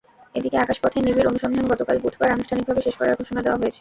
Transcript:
এদিকে আকাশপথে নিবিড় অনুসন্ধান গতকাল বুধবার আনুষ্ঠানিকভাবে শেষ করার ঘোষণা দেওয়া হয়েছে।